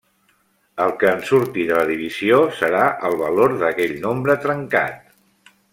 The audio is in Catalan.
El que en surti de la divisió serà el valor d’aquell nombre trencat.